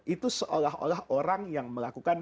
itu seolah olah orang yang melakukan